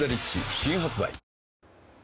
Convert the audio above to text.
新発売